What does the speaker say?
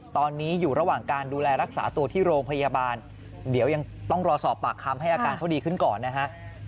ตอนนี้อยู่ระหว่างการดูแลรักษาตัวที่โรงพยาบาลเดี๋ยวยังต้องรอสอบปากคำให้อาการเขาดีขึ้นก่อนนะฮะ